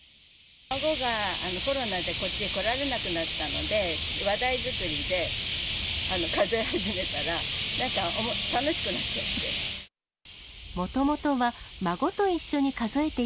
孫がコロナでこっちへ来られなくなったので、話題作りで数え始めたら、なんか楽しくなっちゃって。